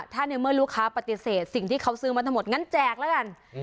ถ้าในเมื่อลูกค้าปฏิเสธสิ่งที่เขาซื้อมาทั้งหมดงั้นแจกแล้วกัน